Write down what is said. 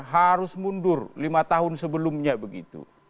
harus mundur lima tahun sebelumnya begitu